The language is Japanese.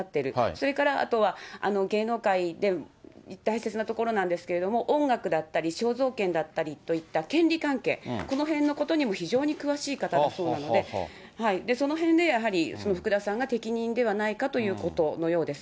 それからあとは、芸能界で大切なところなんですけれども、音楽だったり肖像権だったりといった権利関係、このへんのことにも非常に詳しい方だそうなので、そのへんでやはり福田さんが適任ではないかということのようです。